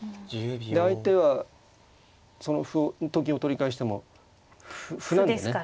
で相手はその歩をと金を取り返しても歩なんでね。